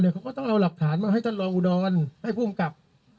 เขาก็ต้องเอาหลักฐานมาให้ท่านรองอุดรให้ผู้กำกับ